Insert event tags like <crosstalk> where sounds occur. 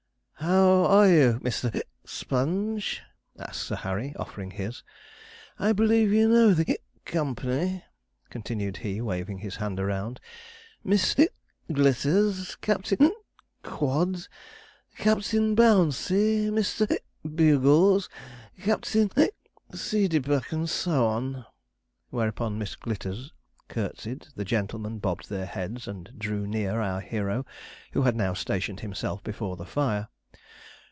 'How are you, Mr. <hiccups> Sponge?' asked Sir Harry, offering his; 'I believe you know the <hiccups> company?' continued he, waving his hand around; 'Miss <hiccups> Glitters, Captain <hiccups> Quod, Captain Bouncey, Mr. <hiccups> Bugles, Captain <hiccups> Seedeybuck, and so on'; whereupon Miss Glitters curtsied, the gentlemen bobbed their heads and drew near our hero, who had now stationed himself before the fire.